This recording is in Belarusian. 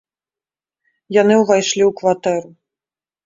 Яны ўвайшлі ў кватэру.